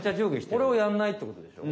これをやんないってことでしょ。